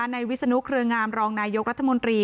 วิศนุเครืองามรองนายกรัฐมนตรี